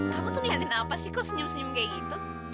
kamu tuh ngeliatin apa sih kok senyum senyum kayak gitu